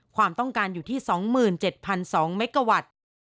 ความต้องการอยู่ที่๒๗๒เมกาวัตต์